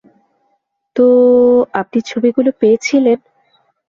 তো আপনি ছবিগুলো পেয়েছিলেন?